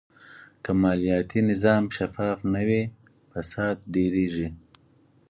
که مالیاتي نظام شفاف نه وي، فساد ډېرېږي.